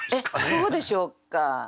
そうでしょうか。